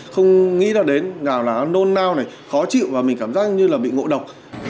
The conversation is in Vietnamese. không nghĩ là đến nào là nó nôn nao này khó chịu và mình cảm giác như là bị ngộ độc